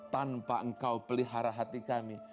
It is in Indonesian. tanpa engkau pelihara hati kami